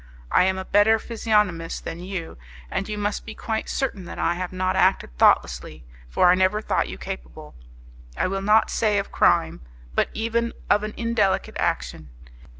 I am a better physiognomist than you, and you must be quite certain that I have not acted thoughtlessly, for I never thought you capable, I will not say of crime, but even of an indelicate action.